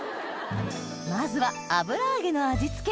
まずは油揚げの味付け